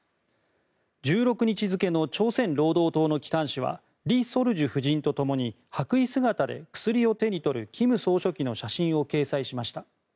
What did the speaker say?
１６日付の朝鮮労働党の機関紙はリ・ソルジュ夫人と共に白衣姿で薬を手に取る金総書記の写真を掲載しました。